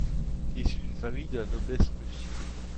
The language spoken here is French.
Issu d'une famille de la noblesse russe.